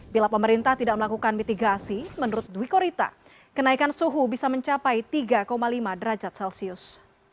bila pemerintah tidak melakukan mitigasi menurut dwi korita kenaikan suhu bisa mencapai tiga lima derajat celcius